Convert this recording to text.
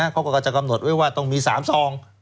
เขาก็จะกำหนดไว้ว่าต้องมี๓ซอง